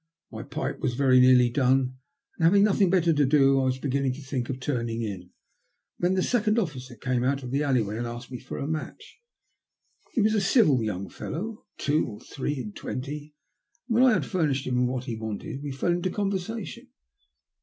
My pipe was very nearly done, and, having nothing better to do, I was beginning to think of turning in, when the second officer came out of the alley way and asked me for a match. He was a civil young fellow of two or three and twenty, and when I had furnished him with what he wanted, we fell into conversation.